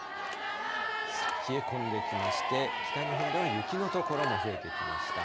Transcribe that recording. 冷え込んできまして、北日本では雪の所も増えてきました。